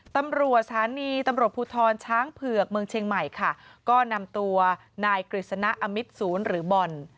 ตำรวจสถานีตำรวจภูทรช้างเผือกเมืองเชียงใหม่ค่ะก็นำตัวนายกฤษณะอมิตศูนย์หรือบอล